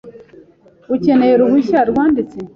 Ukeneye uruhushya rwanditse .